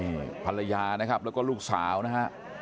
นี่ภรรยานะครับแล้วก็ลูกสาวนะฮะ